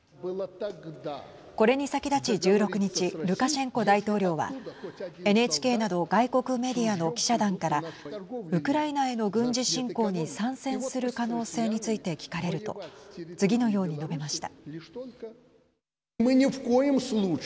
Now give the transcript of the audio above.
これに先立ち１６日ルカシェンコ大統領はＮＨＫなど外国メディアの記者団からウクライナへの軍事侵攻に参戦する可能性について聞かれると次のように述べました。